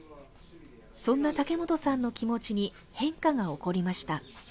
そんな竹本さんの気持ちに変化が起こりました。